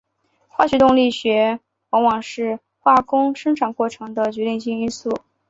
化学动力学往往是化工生产过程中的决定性因素。